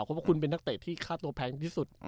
เพราะว่าคุณเป็นนักเตะที่ค่าตัวแพงที่สุด